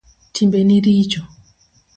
Timbeni richo